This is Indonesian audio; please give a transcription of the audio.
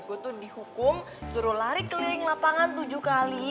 gue tuh dihukum suruh lari keliling lapangan tujuh kali